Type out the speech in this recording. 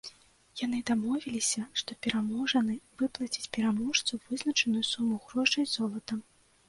Яны дамовіліся, што пераможаны выплаціць пераможцу вызначаную суму грошай золатам.